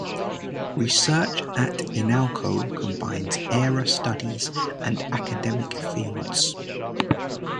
Research at Inalco combines aera studies and academic fields.